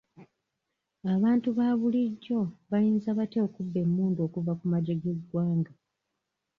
Abantu ba bulijjo bayinza batya okubba emmundu okuva ku magye g'eggwanga?